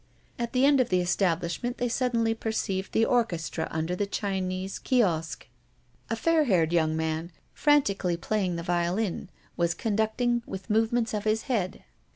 At the end of the establishment they suddenly perceived the orchestra under a Chinese kiosque. A fair haired young man, frantically playing the violin, was conducting with movements of his head.